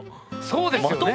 そうですよね。